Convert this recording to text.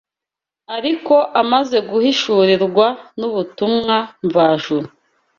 Ariko amaze guhishurirwa n’ubutumwa mvajuru